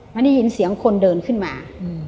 มันได้ยินเสียงคนเดินขึ้นมา